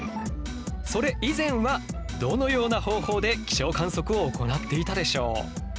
それ以前はどのような方法で気象観測を行っていたでしょう？